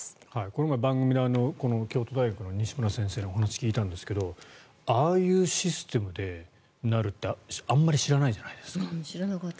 この前、番組で京都大学の西村先生にお話を聞いたんですがああいうシステムでなるってあまり知らないじゃないですか。